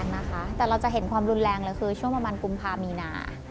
แต่เราจะเห็นความรุนแรงเลยคือช่วงประมาณกุมภามีนา